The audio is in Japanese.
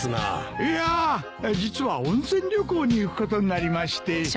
いや実は温泉旅行に行くことになりまして。